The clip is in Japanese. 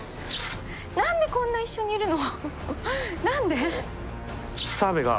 何でこんな一緒にいるの？